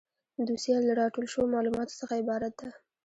دوسیه له راټول شویو معلوماتو څخه عبارت ده.